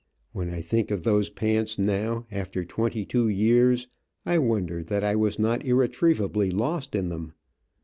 When I think of those pants now, after twenty two years, I wonder that I was not irretrievably lost in them.